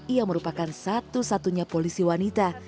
ia merupakan satu satunya polisi wanita